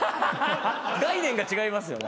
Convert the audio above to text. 概念が違いますよね。